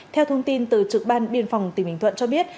theo thông tin từ trực ban biên phòng tỉnh bình thuận cho biết